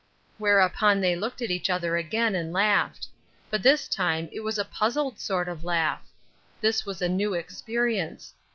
Whereupon they looked at each other again and laughed; but this time it was a puzzled sort of laugh. This was a new experience.